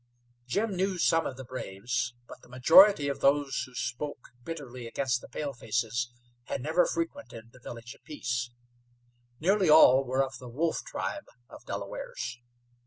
Jim knew some of the braves, but the majority of those who spoke bitterly against the palefaces had never frequented the Village of Peace. Nearly all were of the Wolf tribe of Delawares.